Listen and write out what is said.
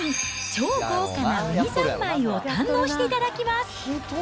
超豪華なウニ三昧を堪能していただきます。